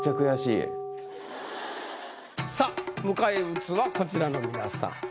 さあ迎え撃つはこちらの皆さん。